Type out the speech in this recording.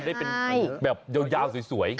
ได้เป็นแบบยาวสวย